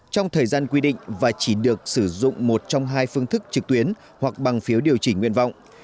trong thời gian quy định và chỉ được sử dụng một trong hai phương thức trực tuyến hoặc bằng phiếu điều chỉnh nguyện vọng